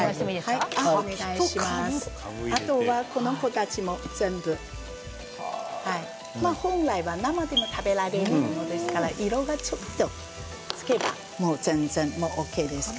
かぶも、この子たちも全部本来は生でも食べられるものですから色がちょっとつけば全然ＯＫです。